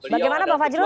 bagaimana pak fadjro